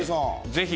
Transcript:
ぜひ。